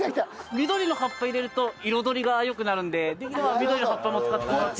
緑の葉っぱ入れると彩りが良くなるのでできれば緑の葉っぱも使ってもらって。